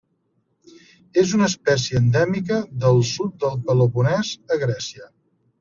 És una espècie endèmica del sud del Peloponès a Grècia.